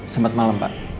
sempat malam pak